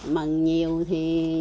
mà nhiều thì